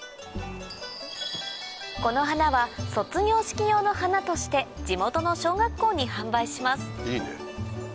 この花は卒業式用の花として地元の小学校に販売します